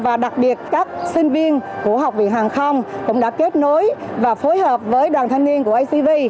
và đặc biệt các sinh viên của học viện hàng không cũng đã kết nối và phối hợp với đoàn thanh niên của acv